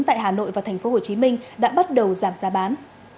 tại hà nội và tp hcm đã bắt đầu giảm giá bán